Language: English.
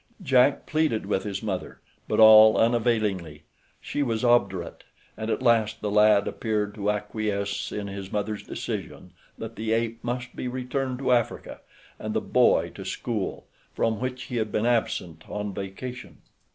Jack pleaded with his mother; but all unavailingly. She was obdurate, and at last the lad appeared to acquiesce in his mother's decision that the ape must be returned to Africa and the boy to school, from which he had been absent on vacation.